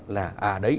là à đấy